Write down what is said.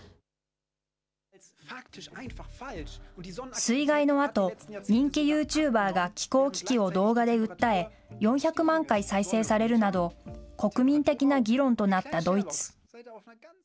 水害のあと、人気ユーチューバーが気候危機を動画で訴え、４００万回再生されるなど、国民的な議論となったドイツ。